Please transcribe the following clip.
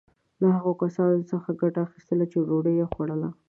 له هغو کسانو څخه یې ګټه اخیستله چې ډوډی یې خوړله.